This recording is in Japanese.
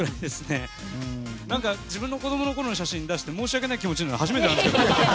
自分の子供のころの写真を出して申し訳ない気持ちになるの初めてなんですが。